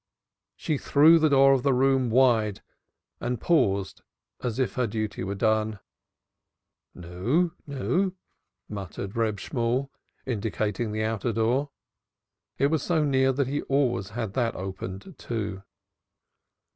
She threw the door of the room wide and paused as if her duty were done. "Nu, nu," muttered Reb Shemuel, indicating the outer door. It was so near that he always had that opened, too.